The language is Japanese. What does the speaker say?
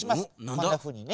こんなふうにね。